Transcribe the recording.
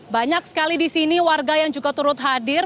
banyak sekali di sini warga yang juga turut hadir